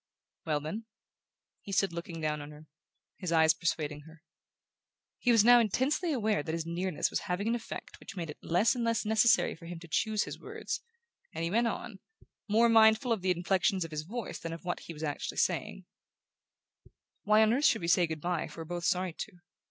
"Well, then?" He stood looking down on her, his eyes persuading her. He was now intensely aware that his nearness was having an effect which made it less and less necessary for him to choose his words, and he went on, more mindful of the inflections of his voice than of what he was actually saying: "Why on earth should we say good bye if we're both sorry to?